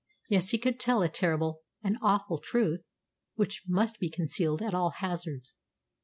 Yes, he could tell a terrible and awful truth which must be concealed at all hazards.